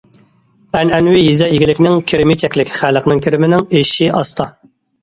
ئەنئەنىۋى يېزا ئىگىلىكنىڭ كىرىمى چەكلىك، خەلقنىڭ كىرىمىنىڭ ئېشىشى ئاستا.